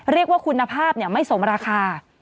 เรียกว่าคุณภาพไม่สมราคา